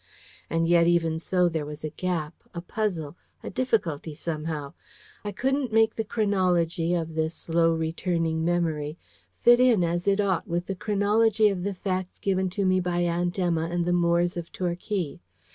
And yet, even so there was a gap, a puzzle, a difficulty somehow. I couldn't make the chronology of this slow returning memory fit in as it ought with the chronology of the facts given to me by Aunt Emma and the Moores of Torquay.